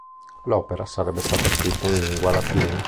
L'opera sarebbe stata scritta in lingua latina.